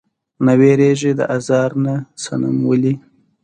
نۀ ويريږي د ازار نه صنم ولې؟